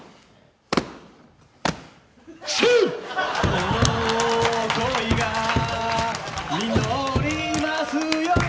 この恋が実りますように